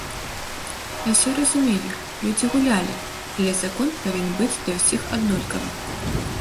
Я ўсё разумею, людзі гулялі, але закон павінен быць для ўсіх аднолькавы.